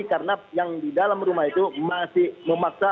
karena yang di dalam rumah itu masih memaksa